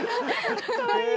かわいい。